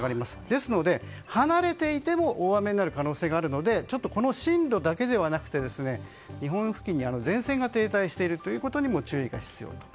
ですので、離れていても大雨になる可能性があるのでこの進路だけではなくて日本付近に前線が停滞していることにも注意が必要です。